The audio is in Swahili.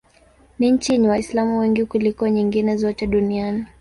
Ni nchi yenye Waislamu wengi kuliko nyingine zote duniani.